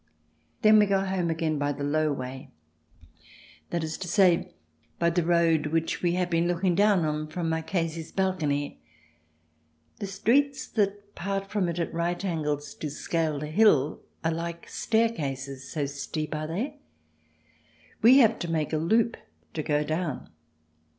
... Then we go home again by the low way — that is to say, by the road which we had been looking down on from Marchesi's balcony. The streets that part from it at right angles to scale the hill are like staircases, so steep are they. We have to make a loop to go down.